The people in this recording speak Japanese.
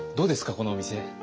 このお店。